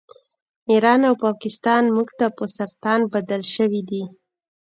ایران او پاکستان موږ ته په سرطان بدل شوي دي